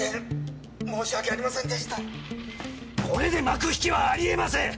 これで幕引きはありえません！